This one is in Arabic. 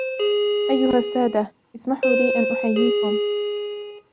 أيها السادة ، اسمحوا لي أن أحييكم.